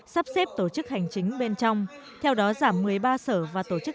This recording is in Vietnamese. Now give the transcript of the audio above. sắp xếp tổ chức hành chính bên trong theo đó giảm một mươi ba sở và tổ chức